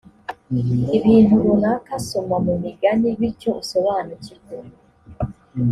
ibintu runaka soma mu migani bityo usobanukirwe